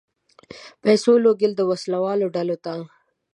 پیسو لېږل وسله والو ډلو ته.